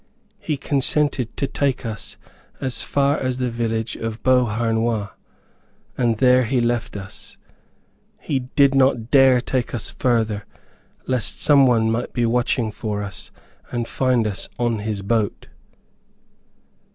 He consented to take us as far as the village of Beauharnois, and there he left us. He did not dare take us further, lest some one might be watching for us, and find us on his boat.